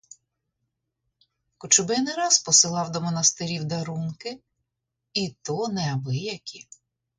Кочубей не раз посилав до монастирів дарунки, і то неабиякі.